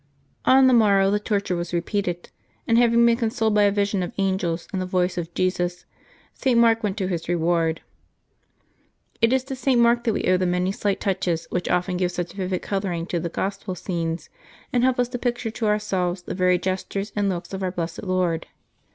On the morrow the torture was repeated, and having been consoled by a vision of angels and the voice of Jesus, St. Mark went to his re ward. It is to St. Mark that we owe the many slight touches which often give such vivid coloring to the Gospel scenes, and help us to picture to ourselves the very gestures and looks of our blessed Lord.